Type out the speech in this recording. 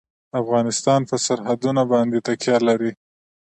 افغانستان په سرحدونه باندې تکیه لري.